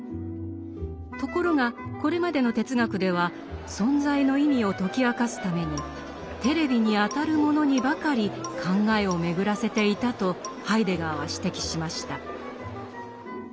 ところがこれまでの哲学では「存在」の意味を解き明かすために「テレビ」にあたるものにばかり考えを巡らせていたとハイデガーは指摘しました。